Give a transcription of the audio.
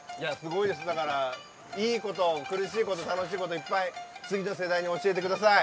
いいこと、苦しいこと楽しいこといっぱい次の世代に教えてください。